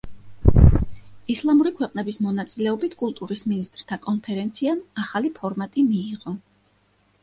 ისლამური ქვეყნების მონაწილეობით, კულტურის მინისტრთა კონფერენციამ ახალი ფორმატი მიიღო.